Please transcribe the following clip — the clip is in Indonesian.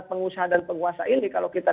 pengusaha dan penguasa ini kalau kita